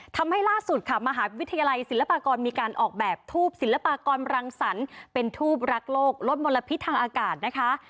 ทำให้ล่าสุดค่ะมหาวิทยาลัยศิลปากรมีการออกแบบทูบศิลปากรังสรรค์เป็นทูบรักโลกลดมลพิษทางอากาศนะคะ